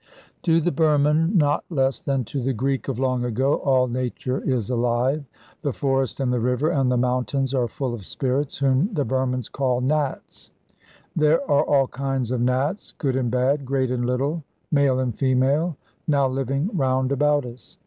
To the Burman, not less than to the Greek of long ago, all nature is alive. The forest and the river and the mountains are full of spirits, whom the Burmans call Nats. There are all kinds of Nats, good and bad, great and little, male and female, now living round about us.